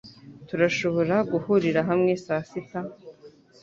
Turashobora guhurira hamwe saa sita?